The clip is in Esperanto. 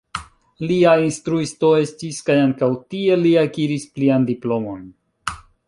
Lia instruisto estis kaj ankaŭ tie li akiris plian diplomon.